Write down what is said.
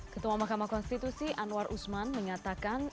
ketua mahkamah konstitusi anwar usman menyatakan